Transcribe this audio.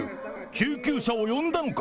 救急車を呼んだのか。